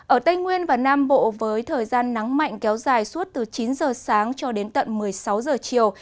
ở tây nguyên và nam bộ với thời gian nắng mạnh kéo dài suốt từ chín giờ sáng cho đến tận một mươi sáu giờ chiều